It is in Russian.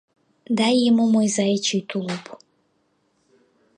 Дай ему мой заячий тулуп».